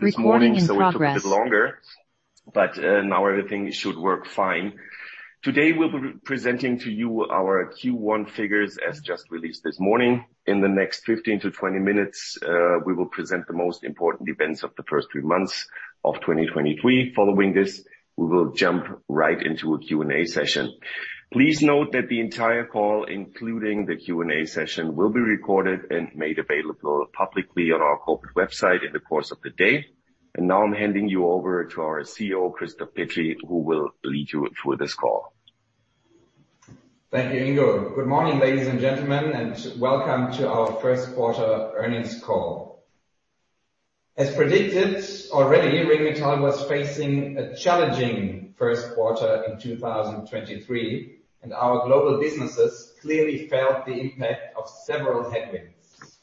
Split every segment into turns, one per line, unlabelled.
Today we'll be presenting to you our Q1 figures as just released this morning. In the next 15 to 20 minutes, we will present the most important events of the first three months of 2023. Following this, we will jump right into a Q&A session. Please note that the entire call, including the Q&A session, will be recorded and made available publicly on our corporate website in the course of the day. Now I'm handing you over to our CEO, Christoph Petri, who will lead you through this call.
Thank you, Ingo. Good morning, ladies and gentlemen, and welcome to our first quarter earnings call. As predicted already, Ringmetall was facing a challenging first quarter in 2023, and our global businesses clearly felt the impact of several headwinds.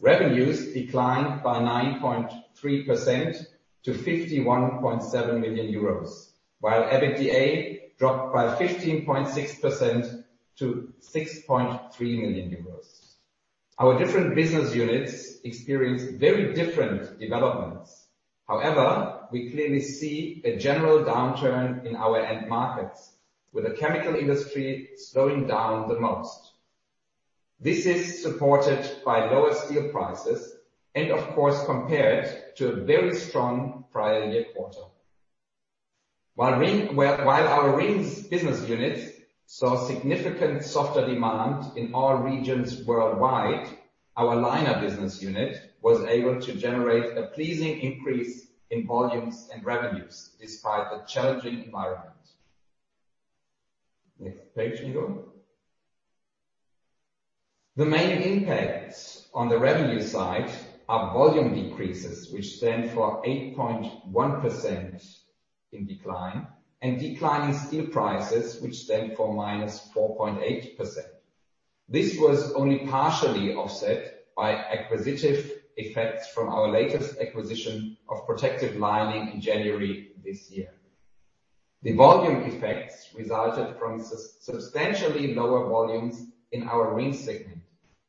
Revenues declined by 9.3% to 51.7 million euros, while EBITDA dropped by 15.6% to 6.3 million euros. Our different business units experienced very different developments. However, we clearly see a general downturn in our end markets, with the chemical industry slowing down the most. This is supported by lower steel prices and of course, compared to a very strong prior year quarter. While our Rings business unit saw significant softer demand in all regions worldwide, our Liner business unit was able to generate a pleasing increase in volumes and revenues despite the challenging environment. Next page, Ingo. The main impacts on the revenue side are volume decreases, which stand for 8.1% in decline, and declining steel prices, which stand for -4.8%. This was only partially offset by acquisitive effects from our latest acquisition of Protective Lining in January this year. The volume effects resulted from substantially lower volumes in our Ring segment,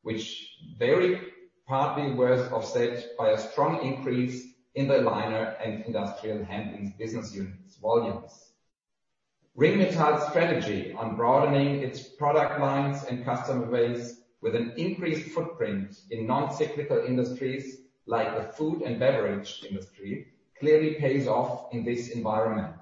which very partly was offset by a strong increase in the Liner and Industrial Handling business units volumes. Ringmetall's strategy on broadening its product lines and customer base with an increased footprint in non-cyclical industries, like the food and beverage industry, clearly pays off in this environment.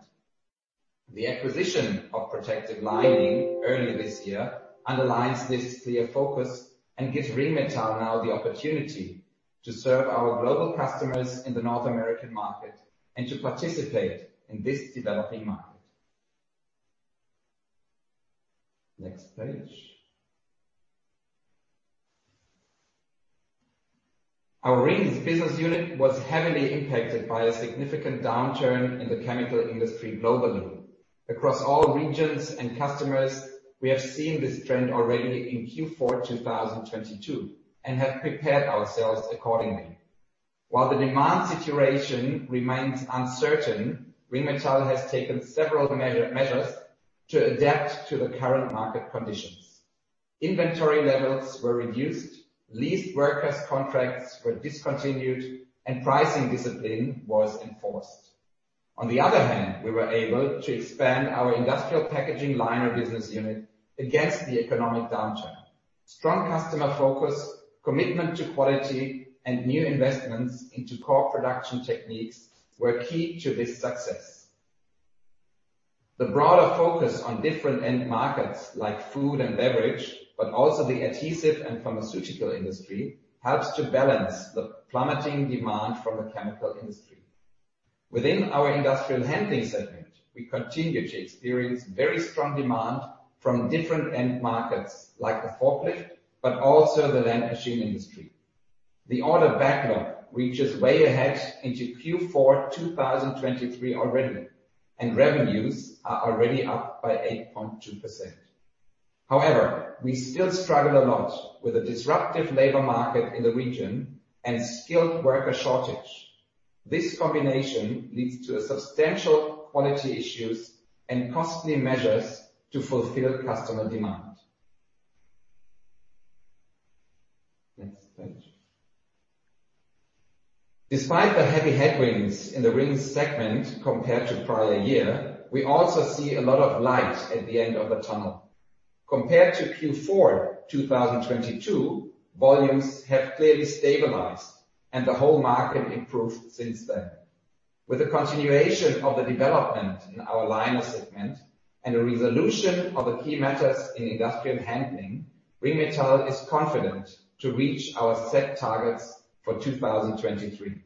The acquisition of Protective Lining earlier this year underlines this clear focus and gives Ringmetall now the opportunity to serve our global customers in the North American market and to participate in this developing market. Next page. Our Rings business unit was heavily impacted by a significant downturn in the chemical industry globally. Across all regions and customers, we have seen this trend already in Q4 2022, have prepared ourselves accordingly. While the demand situation remains uncertain, Ringmetall has taken several measures to adapt to the current market conditions. Inventory levels were reduced, leased workers contracts were discontinued, pricing discipline was enforced. On the other hand, we were able to expand our Industrial Packaging Liners business unit against the economic downturn. Strong customer focus, commitment to quality, new investments into core production techniques were key to this success. The broader focus on different end markets like food and beverage, also the adhesive and pharmaceutical industry, helps to balance the plummeting demand from the chemical industry. Within our Industrial Handling segment, we continue to experience very strong demand from different end markets like the forklift, but also the land machine industry. The order backlog reaches way ahead into Q4 2023 already. Revenues are already up by 8.2%. However, we still struggle a lot with the disruptive labor market in the region and skilled worker shortage. This combination leads to a substantial quality issues and costly measures to fulfill customer demand. Next page. Despite the heavy headwinds in the Rings segment compared to prior year, we also see a lot of light at the end of the tunnel. Compared to Q4 2022, volumes have clearly stabilized. The whole market improved since then. With the continuation of the development in our Liner segment and a resolution of the key matters in Industrial Handling, Ringmetall is confident to reach our set targets for 2023.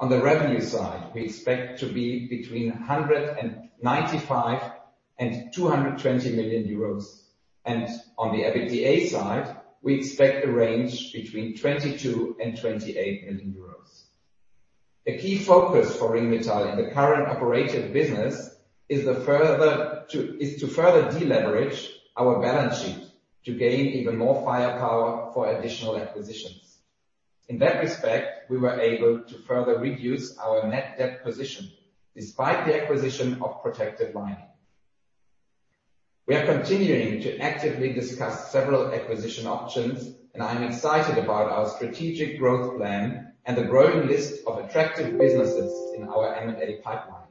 On the revenue side, we expect to be between 195 million and 220 million euros. On the EBITDA side, we expect a range between 22 million and 28 million euros. A key focus for Ringmetall in the current operative business is to further deleverage our balance sheet to gain even more firepower for additional acquisitions. In that respect, we were able to further reduce our net debt position despite the acquisition of Protective Lining. We are continuing to actively discuss several acquisition options, and I am excited about our strategic growth plan and the growing list of attractive businesses in our M&A pipeline.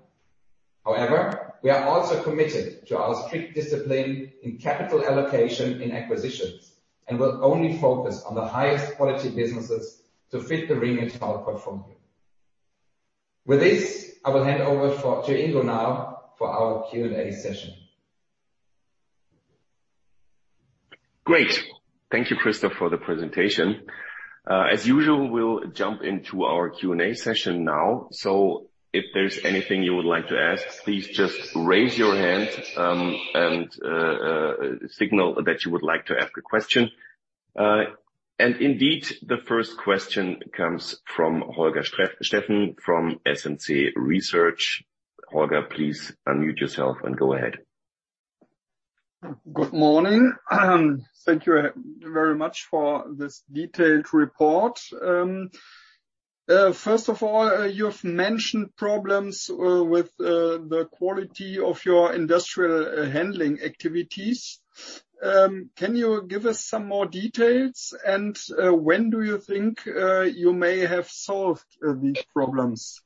However, we are also committed to our strict discipline in capital allocation in acquisitions, and will only focus on the highest quality businesses to fit the Ringmetall portfolio. With this, I will hand over to Ingo now for our Q&A session.
Great. Thank you, Christoph, for the presentation. As usual, we'll jump into our Q&A session now. If there's anything you would like to ask, please just raise your hand, and signal that you would like to ask a question. Indeed, the first question comes from Holger Steffen from SMC Research. Holger, please unmute yourself and go ahead.
Good morning. Thank you very much for this detailed report. First of all, you've mentioned problems with the quality of your Industrial Handling activities. Can you give us some more details? When do you think, you may have solved these problems?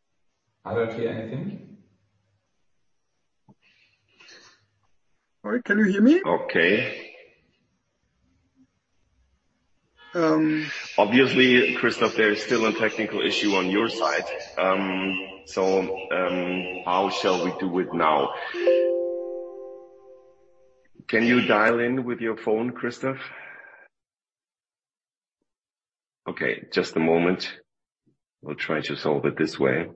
I don't hear anything.
All right. Can you hear me?
Okay.
Um-
Obviously, Christoph, there is still a technical issue on your side. How shall we do it now? Can you dial in with your phone, Christoph? Just a moment. We'll try to solve it this way.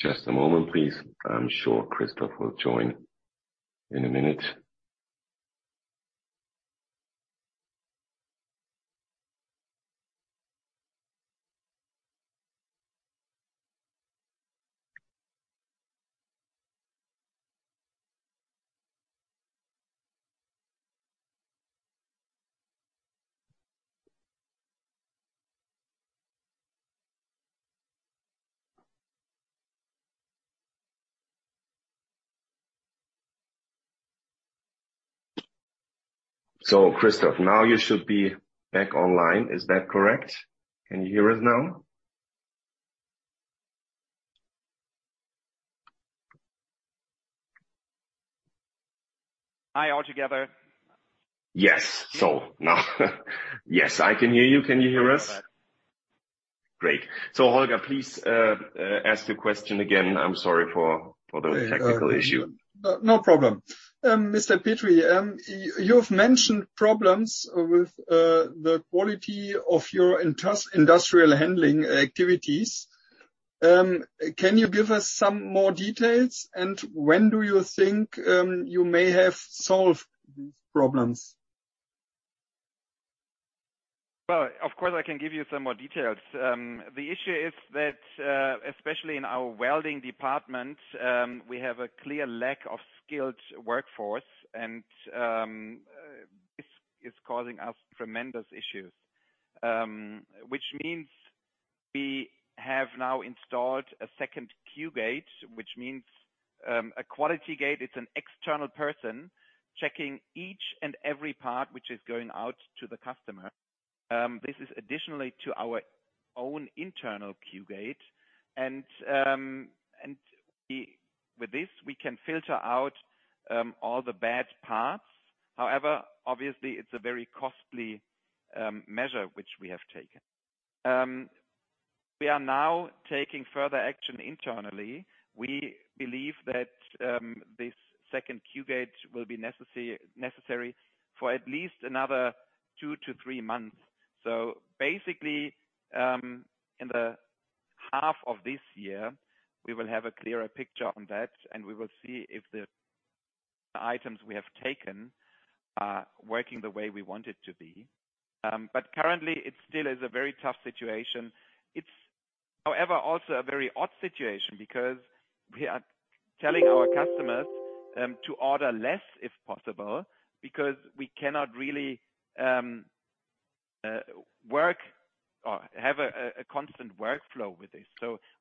Just a moment, please. I'm sure Christoph will join in a minute. Christoph, now you should be back online. Is that correct? Can you hear us now?
Hi, all together.
Yes. Now yes, I can hear you. Can you hear us? Great. Holger, please, ask the question again. I'm sorry for the technical issue.
No, no problem. Mr. Petri, you've mentioned problems with the quality of your Industrial Handling activities. Can you give us some more details, and when do you think you may have solved these problems?
Well, of course, I can give you some more details. The issue is that, especially in our welding department, we have a clear lack of skilled workforce and it's causing us tremendous issues, which means we have now installed a second Q gate, which means a quality gate. It's an external person checking each and every part which is going out to the customer. This is additionally to our own internal Q gate. With this, we can filter out all the bad parts. However, obviously it's a very costly measure which we have taken. We are now taking further action internally. We believe that this second Q gate will be necessary for at least another 2 to 3 months. Basically, in the half of this year, we will have a clearer picture on that, and we will see if the items we have taken are working the way we want it to be. Currently, it still is a very tough situation. It's, however, also a very odd situation because we are telling our customers to order less, if possible, because we cannot really work or have a constant workflow with this.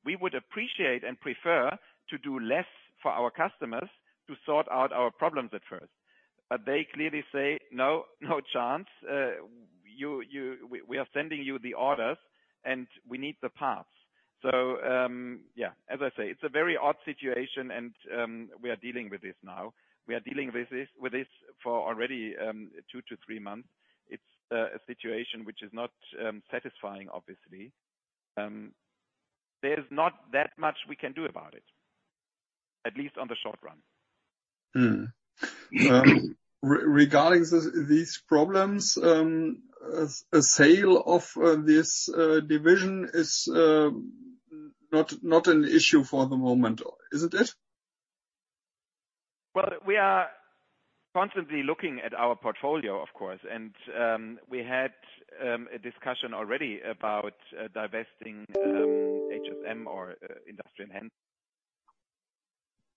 We would appreciate and prefer to do less for our customers to sort out our problems at first. They clearly say, "No, no chance. We are sending you the orders, and we need the parts." Yeah, as I say, it's a very odd situation and we are dealing with this now. We are dealing with this for already, two to three months. It's a situation which is not satisfying, obviously. There's not that much we can do about it. At least on the short run.
Regarding these problems, a sale of this division is not an issue for the moment, isn't it?
Well, we are constantly looking at our portfolio, of course, and, we had, a discussion already about, divesting, HSM or, Industrial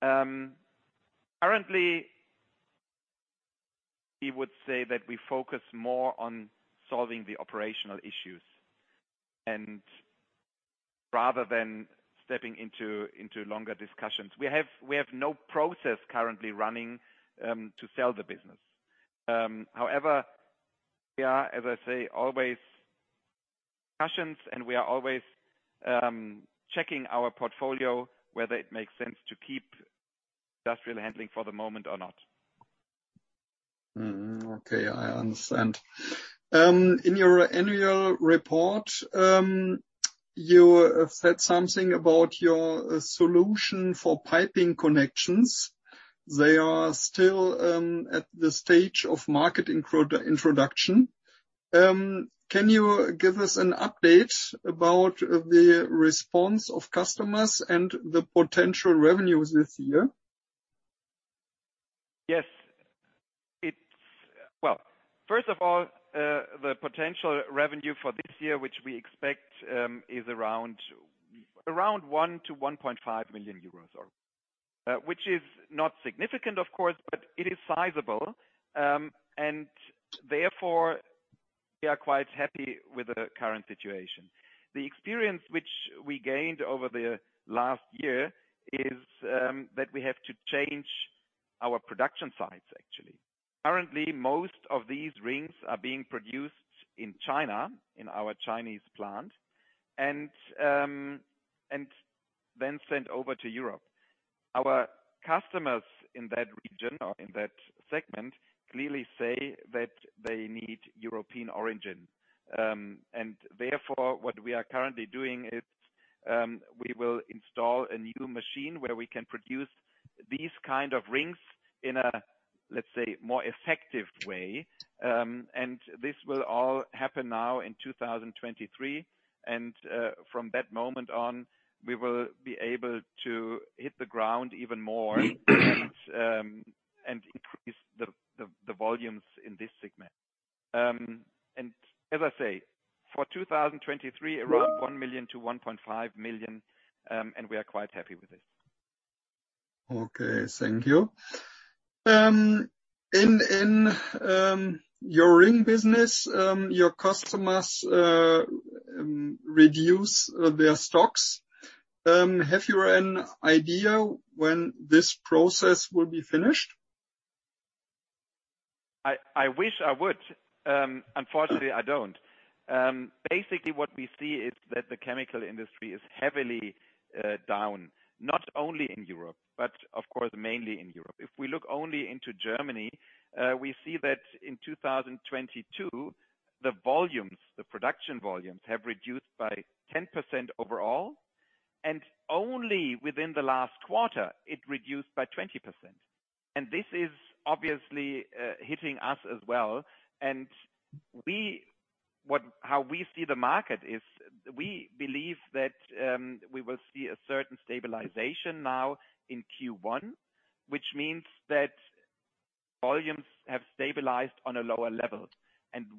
Handling. Currently, we would say that we focus more on solving the operational issues, and rather than stepping into longer discussions. We have no process currently running, to sell the business. However, we are, as I say, always passions, and we are always, checking our portfolio, whether it makes sense to keep Industrial Handling for the moment or not.
Okay, I understand. In your annual report, you have said something about your solution for piping connections. They are still at the stage of market introduction. Can you give us an update about the response of customers and the potential revenues this year?
Yes. Well, first of all, the potential revenue for this year, which we expect, is around 1 million-1.5 million euros, or which is not significant, of course, but it is sizable. Therefore, we are quite happy with the current situation. The experience which we gained over the last year is that we have to change our production sites, actually. Currently, most of these rings are being produced in China, in our Chinese plant, and then sent over to Europe. Our customers in that region or in that segment clearly say that they need European origin. Therefore, what we are currently doing is, we will install a new machine where we can produce these kind of rings in a, let's say, more effective way. This will all happen now in 2023, from that moment on, we will be able to hit the ground even more and increase the volumes in this segment. As I say, for 2023, around 1 million-1.5 million, and we are quite happy with this.
Okay, thank you. In your ring business, your customers reduce their stocks. Have you an idea when this process will be finished?
I wish I would. Unfortunately, I don't. Basically, what we see is that the chemical industry is heavily down, not only in Europe, but of course, mainly in Europe. If we look only into Germany, we see that in 2022, the volumes, the production volumes, have reduced by 10% overall, and only within the last quarter, it reduced by 20%. This is obviously hitting us as well. How we see the market is we believe that we will see a certain stabilization now in Q1, which means that volumes have stabilized on a lower level.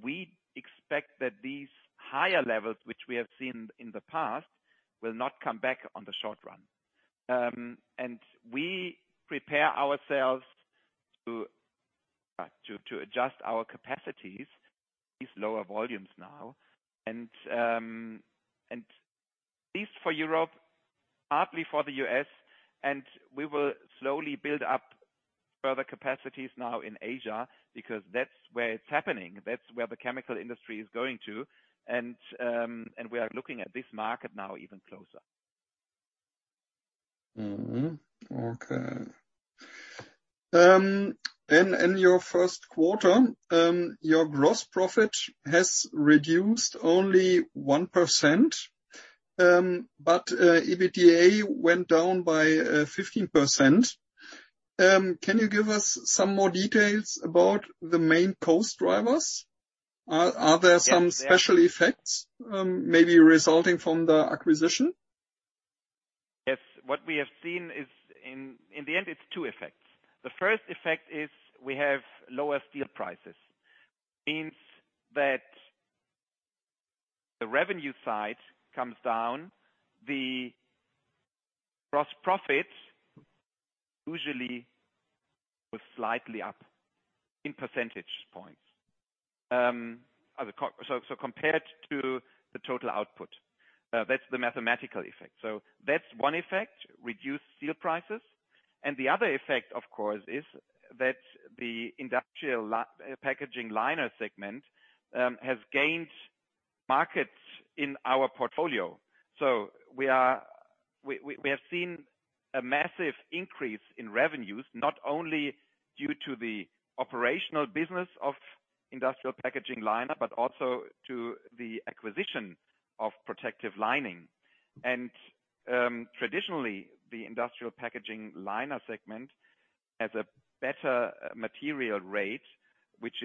We expect that these higher levels, which we have seen in the past, will not come back on the short run. We prepare ourselves to adjust our capacities, these lower volumes now. At least for Europe, partly for the U.S., and we will slowly build up further capacities now in Asia because that's where it's happening. That's where the chemical industry is going to. We are looking at this market now even closer.
Okay. in your first quarter, your gross profit has reduced only 1%. EBITDA went down by 15%. Can you give us some more details about the main cost drivers? Are there some special effects, maybe resulting from the acquisition?
Yes. What we have seen is in the end, it's two effects. The first effect is we have lower steel prices. Means that the revenue side comes down, the gross profit usually goes slightly up in percentage points. So compared to the total output, that's the mathematical effect. That's one effect, reduced steel prices. The other effect, of course, is that the Industrial Packaging Liners segment has gained markets in our portfolio. We have seen a massive increase in revenues, not only due to the operational business of Industrial Packaging Liners, but also to the acquisition of Protective Lining. Traditionally the Industrial Packaging Liners segment has a better material rate, which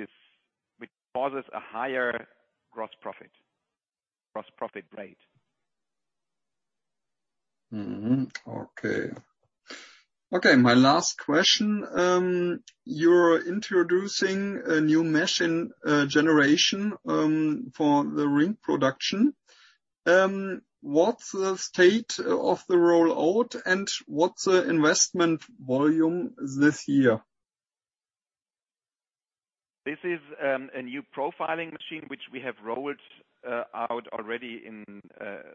causes a higher gross profit rate.
Mm-hmm. Okay. Okay, my last question. You're introducing a new machine generation for the ring production. What's the state of the rollout and what's the investment volume this year?
This is a new profiling machine which we have rolled out already in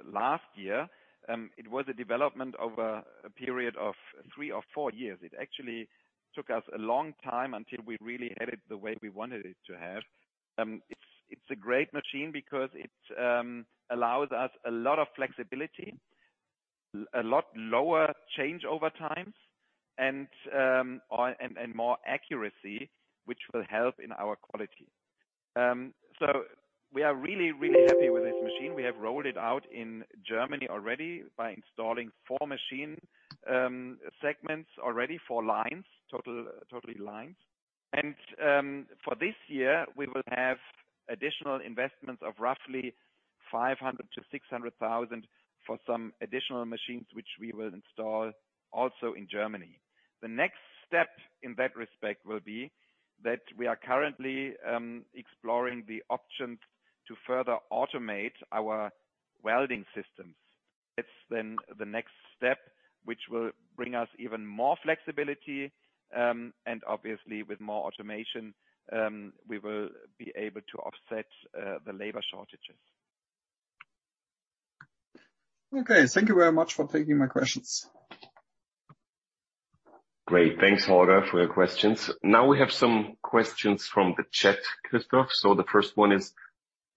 last year. It was a development over a period of three or four years. It actually took us a long time until we really had it the way we wanted it to have. It's a great machine because it allows us a lot of flexibility, a lot lower changeover times and more accuracy, which will help in our quality. We are really, really happy with this machine. We have rolled it out in Germany already by installing four machine segments already, four lines, totally lines. For this year we will have additional investments of roughly 500,000-600,000 for some additional machines, which we will install also in Germany. The next step in that respect will be that we are currently exploring the options to further automate our welding systems. It's the next step, which will bring us even more flexibility, and obviously with more automation, we will be able to offset the labor shortages.
Okay. Thank you very much for taking my questions.
Great. Thanks, Holger, for your questions. We have some questions from the chat, Christoph. The first one is: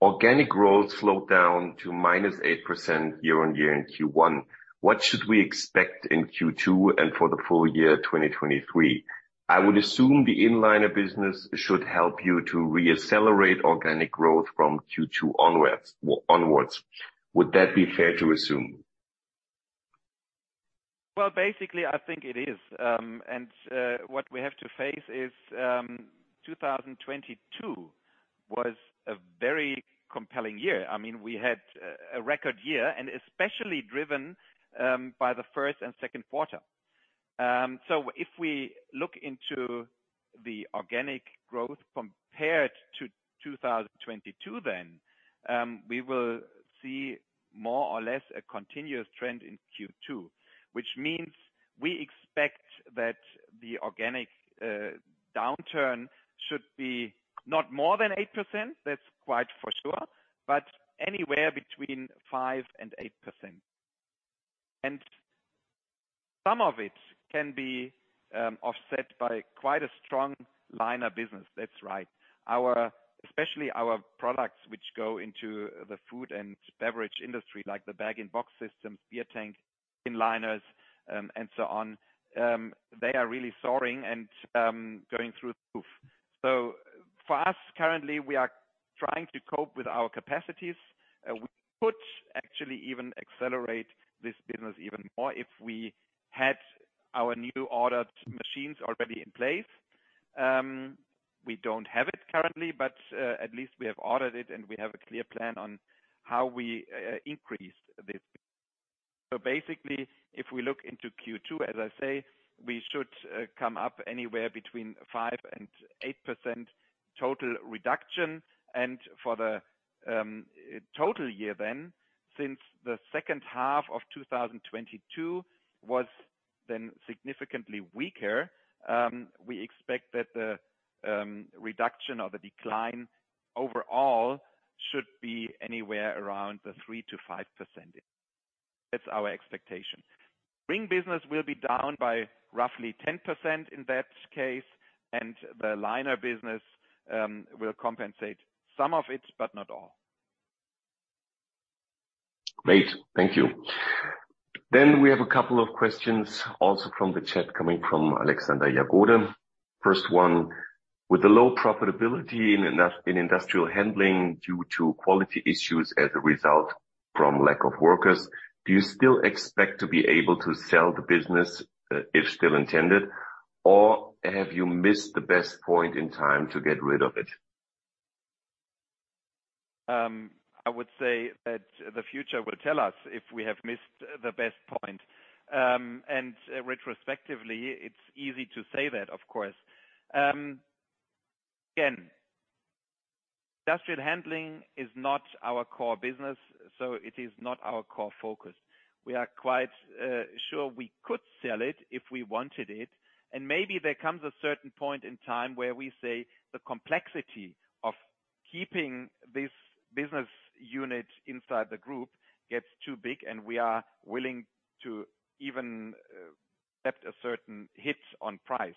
organic growth slowed down to minus 8% year-on-year in Q1. What should we expect in Q2 and for the full year 2023? I would assume the in-liner business should help you to reaccelerate organic growth from Q2 onwards. Would that be fair to assume?
Well, basically, I think it is. What we have to face is, 2022 was a very compelling year. I mean, we had a record year and especially driven by the first and second quarter. If we look into the organic growth compared to 2022 then, we will see more or less a continuous trend in Q2, which means we expect that the organic downturn should be not more than 8%, that's quite for sure, but anywhere between 5% and 8%. Some of it can be offset by quite a strong Liner business. That's right. Especially our products which go into the food and beverage industry, like the bag-in-box systems, beer tank liners, and so on, they are really soaring and going through the roof. For us, currently, we are trying to cope with our capacities. We could actually even accelerate this business even more if we had our new ordered machines already in place. We don't have it currently, but at least we have ordered it and we have a clear plan on how we increase this. Basically, if we look into Q2, as I say, we should come up anywhere between 5%-8% total reduction. For the total year then, since the second half of 2022 was then significantly weaker, we expect that the reduction or the decline overall should be anywhere around 3%-5%. That's our expectation. Ring business will be down by roughly 10% in that case, and the Liner business will compensate some of it, but not all.
Great. Thank you. We have a couple of questions also from the chat coming from Alexander Jagoda. First one: with the low profitability in Industrial Handling due to quality issues as a result from lack of workers, do you still expect to be able to sell the business, if still intended, or have you missed the best point in time to get rid of it?
I would say that the future will tell us if we have missed the best point. Retrospectively it's easy to say that, of course. Again, Industrial Handling is not our core business, so it is not our core focus. We are quite sure we could sell it if we wanted it. Maybe there comes a certain point in time where we say the complexity of keeping this business unit inside the group gets too big and we are willing to even accept a certain hit on price.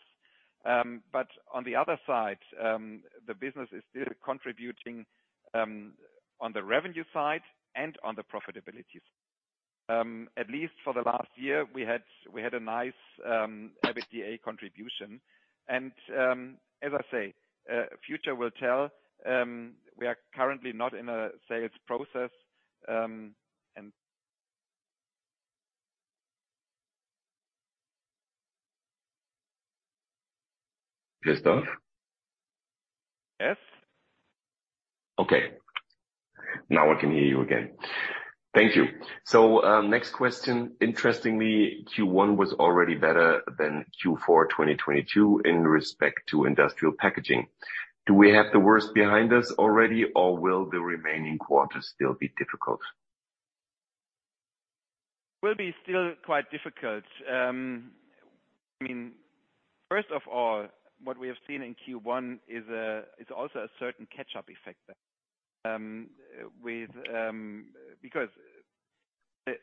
On the other side, the business is still contributing on the revenue side and on the profitability side. At least for the last year, we had a nice EBITDA contribution. As I say, future will tell. We are currently not in a sales process.
Christoph?
Yes.
Okay. Now I can hear you again. Thank you. Next question. Interestingly, Q1 was already better than Q4, 2022 in respect to industrial packaging. Do we have the worst behind us already or will the remaining quarters still be difficult?
Will be still quite difficult. I mean, first of all, what we have seen in Q1 is also a certain catch-up effect there, with...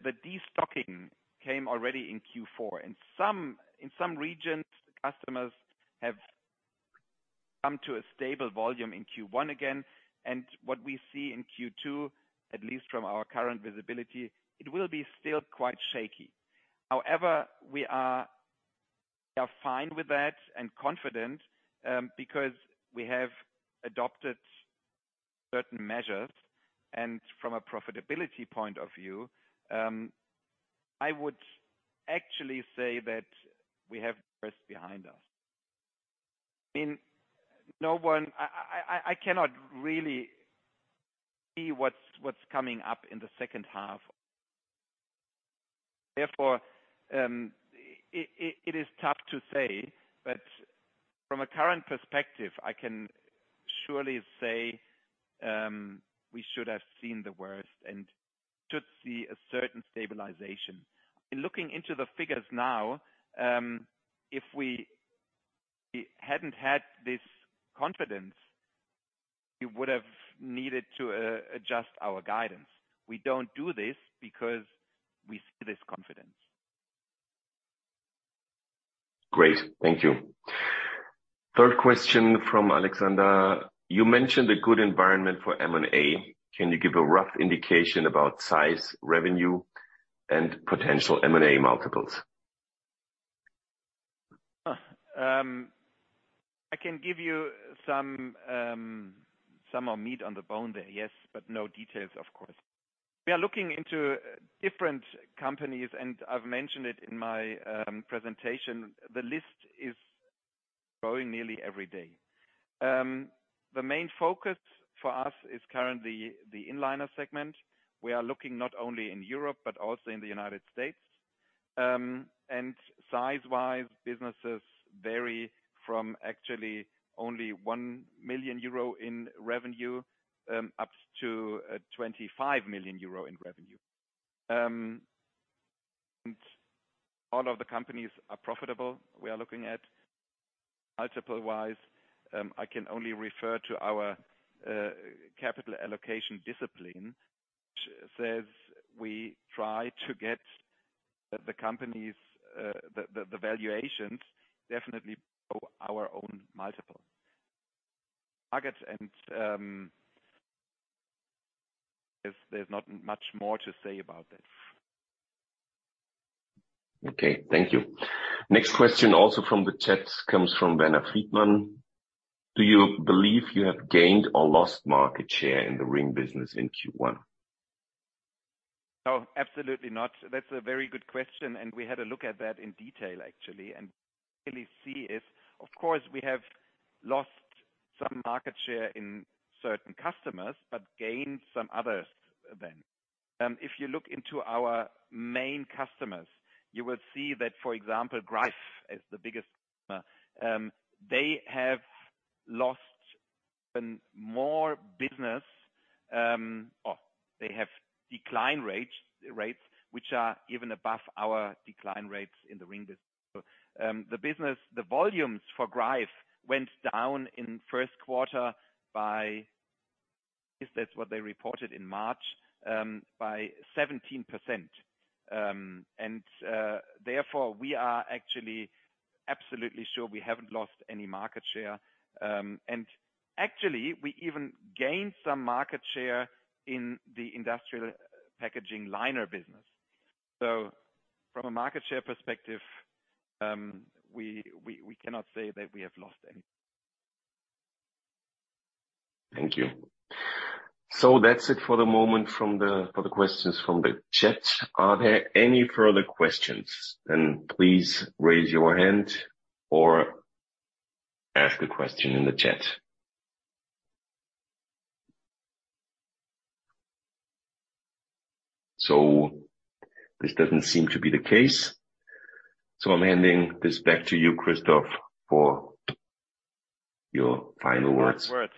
The destocking came already in Q4. In some regions, customers have come to a stable volume in Q1 again. What we see in Q2, at least from our current visibility, it will be still quite shaky. We are fine with that and confident because we have adopted certain measures. From a profitability point of view, I would actually say that we have the worst behind us. I mean, I cannot really see what's coming up in the second half. It is tough to say. From a current perspective, I can surely say, we should have seen the worst and should see a certain stabilization. In looking into the figures now, if we hadn't had this confidence, we would've needed to adjust our guidance. We don't do this because we see this confidence.
Great. Thank you. Third question from Alexander: You mentioned a good environment for M&A. Can you give a rough indication about size, revenue, and potential M&A multiples?
I can give you some more meat on the bone there, yes. No details, of course. We are looking into different companies, and I've mentioned it in my presentation. The list is growing nearly every day. The main focus for us is currently the inliner segment. We are looking not only in Europe, but also in the United States. Size-wise, businesses vary from actually only 1 million euro in revenue up to 25 million euro in revenue. All of the companies are profitable, we are looking at. Multiple-wise, I can only refer to our capital allocation discipline, which says we try to get the companies the valuations definitely below our own multiple. I get and, there's not much more to say about this.
Okay. Thank you. Next question also from the chat, comes from Vanna Friedman: Do you believe you have gained or lost market share in the Rings business in Q1?
No, absolutely not. That's a very good question, and we had a look at that in detail actually. What we really see is, of course, we have lost some market share in certain customers, but gained some others then. If you look into our main customers, you will see that, for example, Greif is the biggest customer. They have lost even more business. Or they have decline rates which are even above our decline rates in the ring business. The business, the volumes for Greif went down in first quarter by, at least that's what they reported in March, by 17%. Therefore, we are actually absolutely sure we haven't lost any market share. Actually, we even gained some market share in the industrial packaging liner business. From a market share perspective, we cannot say that we have lost any.
Thank you. That's it for the moment from the for the questions from the chat. Are there any further questions? Please raise your hand or ask a question in the chat. This doesn't seem to be the case, so I'm handing this back to you, Christoph, for your final words.
Final words.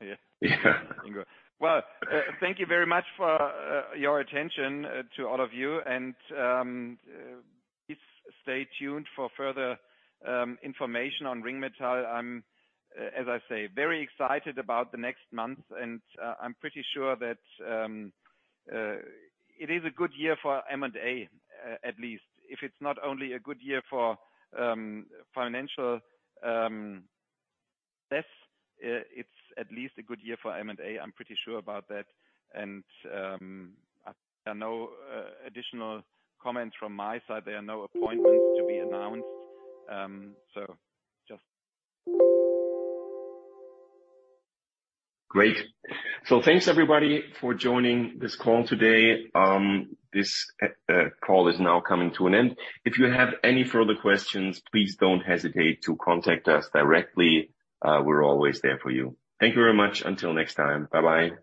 Yeah.
Yeah.
Well, thank you very much for your attention to all of you and please stay tuned for further information on Ringmetall. I'm as I say, very excited about the next months and I'm pretty sure that it is a good year for M&A at least. If it's not only a good year for financial success, it's at least a good year for M&A. I'm pretty sure about that. There are no additional comments from my side. There are no appointments to be announced. Just...
Great. Thanks everybody for joining this call today. This call is now coming to an end. If you have any further questions, please don't hesitate to contact us directly. We're always there for you. Thank you very much. Until next time. Bye-bye.